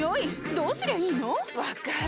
どうすりゃいいの⁉分かる。